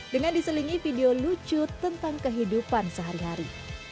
dengan diselingi video lucu tentang kehidupan sehari hari